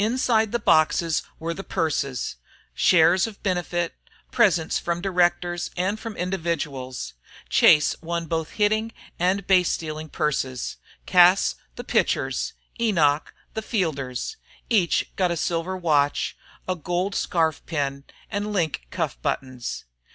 Inside the boxes were the purses, shares of benefit, presents from directors, and from individuals. Chase won both hitting and base stealing purses, Cas the pitcher's, Enoch the fielder's. Each got a silver watch, a gold scarf pin, and link cuff buttons.